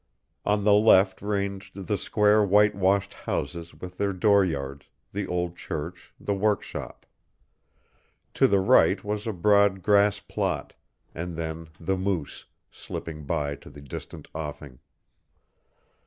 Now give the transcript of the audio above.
On the left ranged the square whitewashed houses with their dooryards, the old church, the workshop. To the right was a broad grass plot, and then the Moose, slipping by to the distant offing.